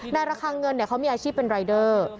ในราคาเงินเนี่ยเขามีอาชีพเป็นรายเดอร์